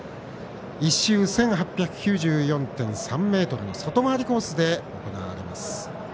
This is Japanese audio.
１周１８９４．３ｍの外回りコースで行われます。